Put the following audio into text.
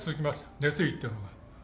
熱意っていうのは。